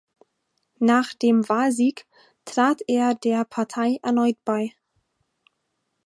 Nachdem Wahlsieg trat er der Partei erneut bei.